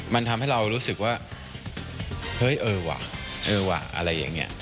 มันทำให้เรารู้สึกว่าเฮ้ยเออว่ะเออว่ะอะไรอย่างนี้